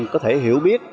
có thể hiểu biết